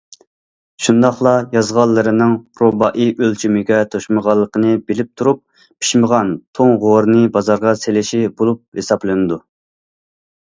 شۇنداقلا يازغانلىرىنىڭ رۇبائىي ئۆلچىمىگە توشمىغانلىقىنى بىلىپ تۇرۇپ، پىشمىغان توڭ غورىنى بازارغا سېلىشى بولۇپ ھېسابلىنىدۇ.